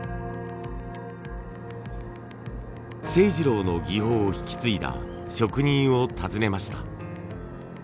晴二郎の技法を引き継いだ職人を訪ねました。